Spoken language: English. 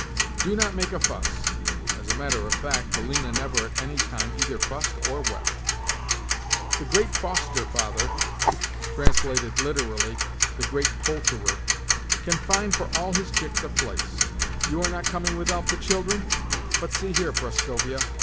"Do not make a fuss" (as a matter of fact Polina never at any time either fussed or wept). "The Great Foster Father can find for all his chicks a place. You are not coming without the children? But see here, Prascovia.